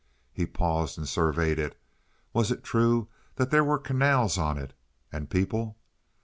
He paused and surveyed it. Was it true that there were canals on it, and people?